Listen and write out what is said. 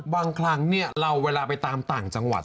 บางครั้งเราเวลาไปตามต่างจังหวัด